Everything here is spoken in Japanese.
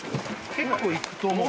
結構いくと思う